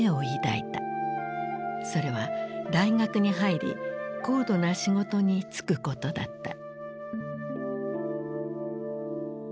それは大学に入り高度な仕事に就くことだった。